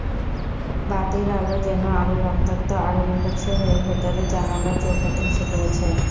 বাতির আলো যেন আরো রক্তাক্ত, আরো বীভৎস হয়ে ভেতরের জানালার চৌকাঠে এসে পড়েছে।